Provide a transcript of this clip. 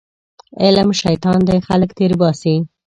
علم شیطان دی خلک تېرباسي